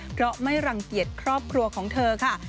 เพราะไม่รังเกียจครอบครัวของเธอค่ะ